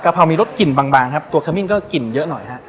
เพรามีรสกลิ่นบางครับตัวขมิ้นก็กลิ่นเยอะหน่อยฮะ